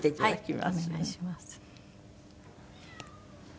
はい。